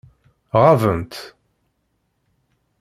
Ɣabent.